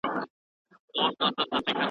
ليچي مي ډکي له بنګړو سوې